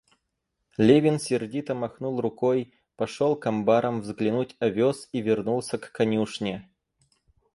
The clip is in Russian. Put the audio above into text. Левин сердито махнул рукой, пошел к амбарам взглянуть овес и вернулся к конюшне.